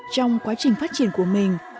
trong quá trình phát triển của mình